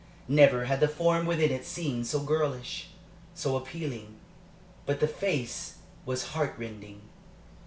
Never had the form within it seemed so girlish, so appealing. But the face was heart rending.